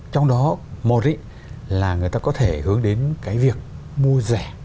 trong đó một là người ta có thể hướng đến cái việc mua rẻ